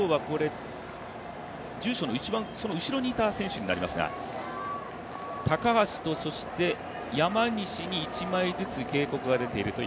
住所の一番後ろにいた選手になりますが高橋と、そして山西に１枚ずつ警告が出ている。